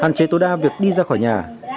hàn chế tối đa việc đi ra khỏi nhà